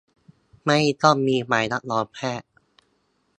ไม่ต้องมีใบรับรองแพทย์ !